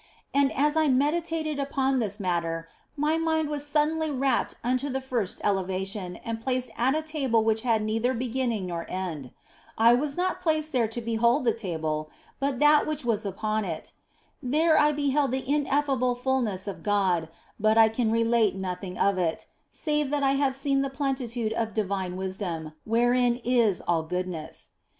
And as I meditated upon this matter, my mind was suddenly rapt unto the first elevation, and placed at a table which had neither beginning nor end. I was not placed there to behold the table, but that which was 174 THE BLESSED ANGELA upon it. There I beheld the ineffable fulness of God ; but I can relate nothing of it, save that I have seen the plenitude of divine wisdom, wherein is all goodness.